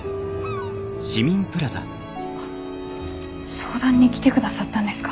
相談に来てくださったんですか？